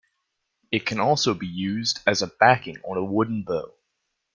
It can also be used as a backing on a wooden bow.